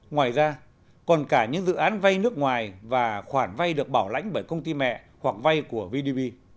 ngoài ra còn cả những dự án vay nước ngoài và khoản vay được bảo lãnh bởi công ty mẹ hoặc vay của vdb